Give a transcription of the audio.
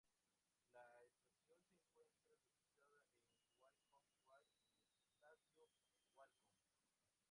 La estación se encuentra localizada en Qualcomm Way en el Estadio Qualcomm.